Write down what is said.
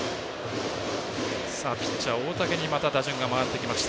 ピッチャー、大竹にまた打順が回ってきました。